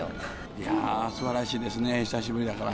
いやー、すばらしいですね、久しぶりだから。